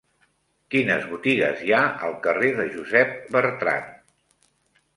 Quines botigues hi ha al carrer de Josep Bertrand?